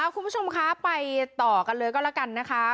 คุณผู้ชมคะไปต่อกันเลยก็แล้วกันนะคะ